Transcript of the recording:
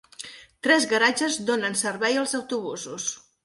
Tres garatges donen servei als autobusos.